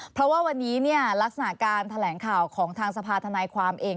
เพราะว่าวันนี้ลักษณะการแถลงข่าวของทางสภาธนายความเอง